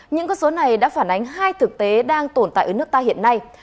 những con số này đã phản ánh hai thực tế đang tồn tại ở nước ta hiện nay